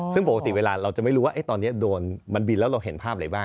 ซึ่งปกติเวลาเราจะไม่รู้ว่าตอนนี้โดนมันบินแล้วเราเห็นภาพอะไรบ้าง